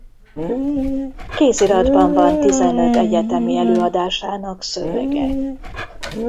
Kéziratban van tizenöt egyetemi előadásának szövege.